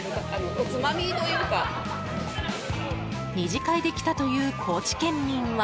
２次会で来たという高知県民は。